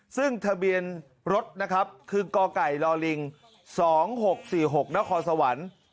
ซึ่งทะเบียนรถนะครับคือกไก่ลิง๒๖๔๖นครสวรรค์